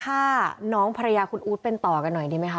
ถ้าน้องภรรยาคุณอู๊ดเป็นต่อกันหน่อยดีไหมค